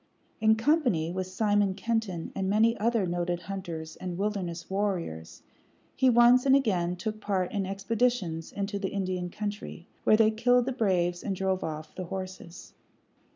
In company with Simon Kenton and many other noted hunters and wilderness warriors, he once and again took part in expeditions into the Indian country, where they killed the braves and drove off the horses.